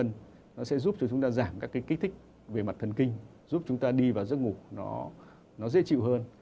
nó sẽ giúp cho chúng ta giảm các cái kích thích về mặt thần kinh giúp chúng ta đi vào giấc ngủ nó dễ chịu hơn